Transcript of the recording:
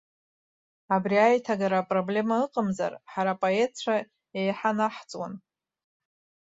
Абри аиҭагара апроблема ыҟамзар, ҳара апоетцәа еиҳа наҳҵуан.